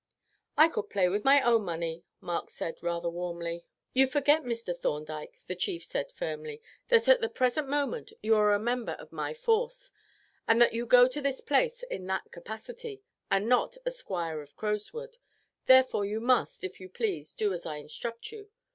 "I could play with my own money," Mark said rather warmly. "You forget, Mr. Thorndyke," the chief said firmly, "that at the present moment you are a member of my force, and that you go to this place in that capacity, and not as Squire of Crowswood; therefore you must, if you please, do as I instruct you.